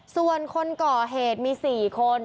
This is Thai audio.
ส่วนคนก่อเหตุมี๔คน